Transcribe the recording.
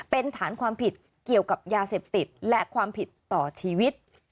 เป็นฐานความผิดเกี่ยวกับยาเสพติดและความผิดต่อชีวิต